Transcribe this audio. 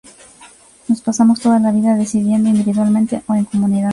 Nos pasamos toda la vida decidiendo, individualmente o en comunidad.